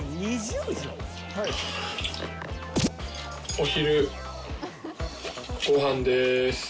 お昼ご飯です。